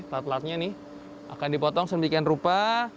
telat telatnya ini akan dipotong semikian rupa